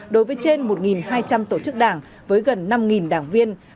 đối với trên một hai trăm linh tổ chức đảng với gần năm đảng viên